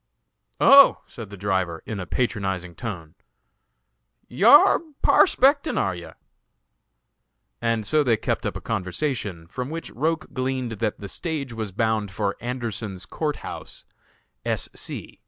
"Oh!" said the driver, in a patronizing tone, "yar parspectin', are yar?" And so they kept up a conversation, from which Roch gleaned that the stage was bound for Anderson's Court House, S. C.